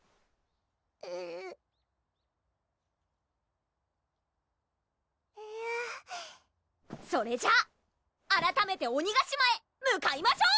えるぅえるぅそれじゃああらためて鬼ヶ島へ向かいましょう！